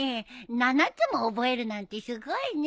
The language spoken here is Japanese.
７つも覚えるなんてすごいね。